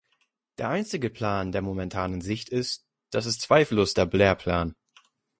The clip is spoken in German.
Der einzige Plan, der momentan in Sicht ist, das ist zweifellos der Blair-Plan.